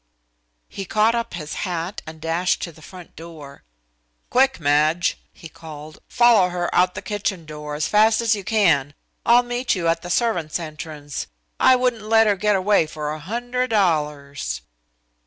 He caught up his hat and dashed to the front door. "Quick, Madge!" he called. "Follow her out the kitchen door as fast as you can. I'll meet you at the servant's entrance! I wouldn't let her get away for a hundred dollars!"